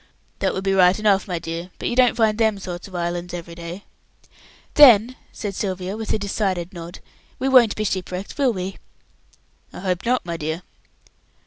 "That would be right enough, my dear, but you don't find them sort of islands every day." "Then," said Sylvia, with a decided nod, "we won't be ship wrecked, will we?" "I hope not, my dear."